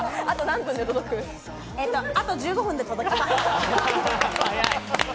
あと１５分で届きます。